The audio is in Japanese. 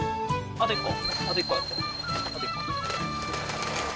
あと１個。